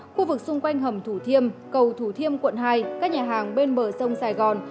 khu vực xung quanh hầm thủ thiêm cầu thủ thiêm quận hai các nhà hàng bên bờ sông sài gòn